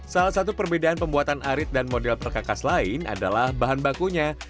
salah satu perbedaan pembuatan arit dan model perkakas lain adalah bahan bakunya